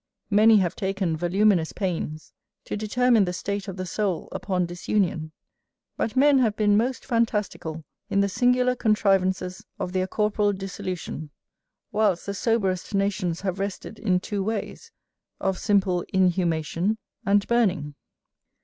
Many have taken voluminous pains to determine the state of the soul upon disunion; but men have been most phantastical in the singular contrivances of their corporal dissolution: whilst the soberest nations have rested in two ways, of simple inhumation and burning.